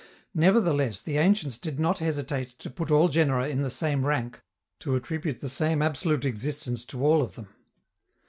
Nevertheless the ancients did not hesitate to put all genera in the same rank, to attribute the same absolute existence to all of them.